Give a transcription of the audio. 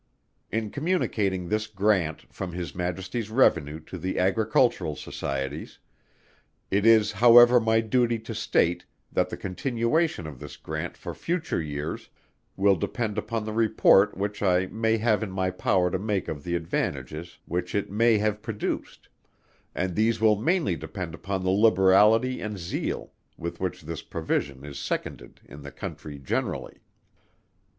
In communicating this grant from His Majesty's Revenue to the Agricultural Societies, it is however my duty to state, that the continuation of this grant for future years, will depend upon the report which I may have in my power to make of the advantages which it may have produced; and these will mainly depend upon the liberality and zeal with which this Provision is seconded in the Country generally.